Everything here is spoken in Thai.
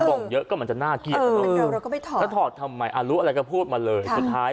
กล้องเยอะก็มันจะน่าเกลียดถ้าถอดทำไมอ่ะรู้อะไรก็พูดมาเลย